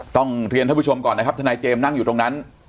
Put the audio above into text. ต้องเรียนท่านผู้ชมก่อนนะครับทนายเจมส์นั่งอยู่ตรงนั้น